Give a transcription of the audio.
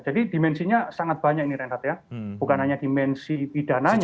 jadi dimensinya sangat banyak ini renrat ya bukan hanya dimensi pidananya